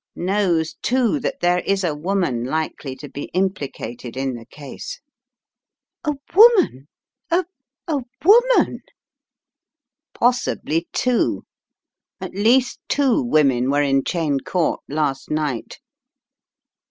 Knows, too, that there is a woman likely to be implicated in the case." "A woman — a — a woman?" "Possibly two; at least two women were in Cheyne Court last night."